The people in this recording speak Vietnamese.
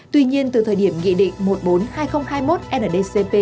tuy nhiên từ thời điểm nghị định một mươi bốn hai nghìn hai mươi một nldcp